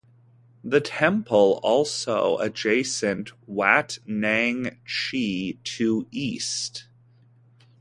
The temple also adjacent Wat Nang Chi to east.